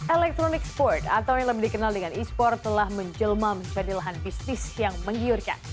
electronic sport atau yang lebih dikenal dengan e sport telah menjelma menjadi lahan bisnis yang menggiurkan